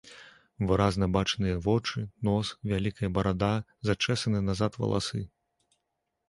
Выразна бачныя вочы, нос, вялікая барада, зачэсаны назад валасы.